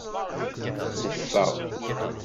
Neffeɣ.